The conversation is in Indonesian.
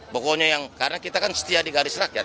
pokoknya yang karena kita kan setia di garis rakyat